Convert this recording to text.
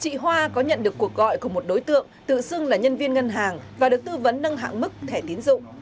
chị hoa có nhận được cuộc gọi của một đối tượng tự xưng là nhân viên ngân hàng và được tư vấn nâng hạn mức thẻ tiến dụng